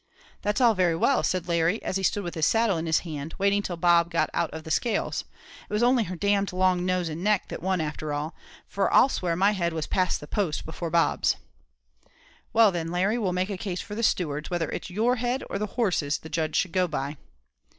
"That's all very well," said Larry, as he stood with his saddle in his hand, waiting till Bob got out of the scales, "it was only her d d long nose and neck that won after all, fur I'll swear my head was past the post before Bob's." "Well then, Larry, we'll make a case for the stewards, whether it's your head or the horse's the judge should go by."